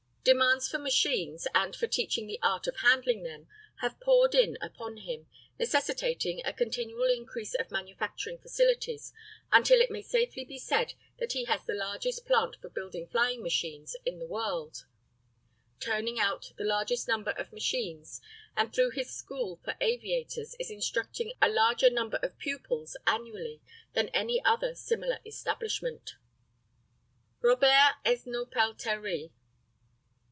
Demands for machines, and for teaching the art of handling them, have poured in upon him, necessitating a continual increase of manufacturing facilities until it may safely be said that he has the largest plant for building flying machines in the world, turning out the largest number of machines, and through his school for aviators is instructing a larger number of pupils annually than any other similar establishment. ROBERT ESNAULT PELTERIE.